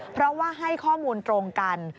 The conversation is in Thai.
เพราะว่าให้ข้อมูลตรงกัน